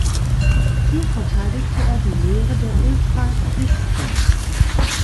Hier verteidigte er die Lehre der Utraquisten.